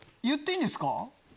言っていいんですか？